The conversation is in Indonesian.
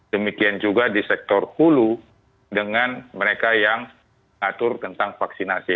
demikian juga di sektor hulu dengan mereka yang mengatur tentang vaksinasi